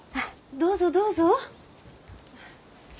どうぞどうぞ。